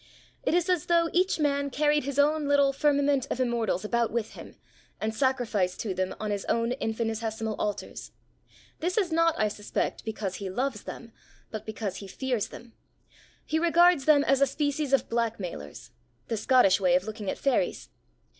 It is as though each man carried his own little firmament of immortals about with him, and sacrificed to them on his own infinitesimal altars. This is not, I suspect, because he loves them, but because he fears them. He regards them as a species of blackmailers the Scottish way of looking at fairies.